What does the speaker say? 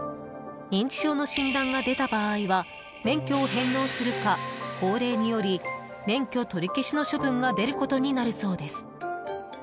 認知症の診断が出た場合は免許を返納するか法令により免許取り消しの処分が出ることになるそうです。